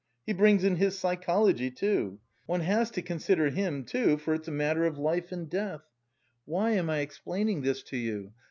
He brings in his psychology, too; one has to consider him, too, for it's a matter of life and death. Why am I explaining this to you?